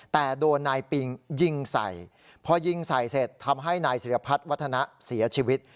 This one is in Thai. แต่โดนนายปิงยิงใส่พอยิงใส่เสร็จทำให้นายศิรพัฒน์วัฒนะเสียชีวิต